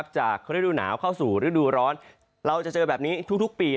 จากฤดูหนาวเข้าสู่ฤดูร้อนเราจะเจอแบบนี้ทุกปี